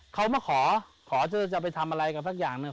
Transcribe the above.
เขามาขอขอเธอจะไปทำอะไรกับสักอย่างหนึ่ง